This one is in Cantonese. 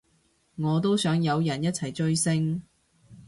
我都想有人一齊追星